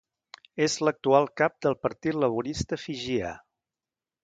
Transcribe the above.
És l'actual cap del Partit Laborista Fijià.